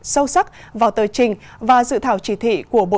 sâu sắc vào tờ trình và dự thảo chỉ thị